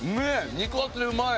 肉厚でうまい！